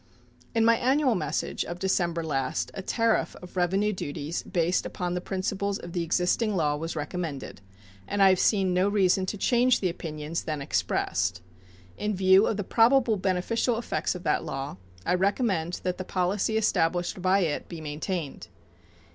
In my annual message of December last a tariff of revenue duties based upon the principles of the existing law was recommended, and I have seen no reason to change the opinions then expressed. In view of the probable beneficial effects of that law, I recommend that the policy established by it be maintained.